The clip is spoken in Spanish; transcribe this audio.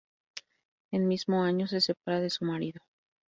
En mismo año se separa de su marido.